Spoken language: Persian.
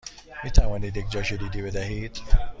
می توانید یک جاکلیدی بدهید؟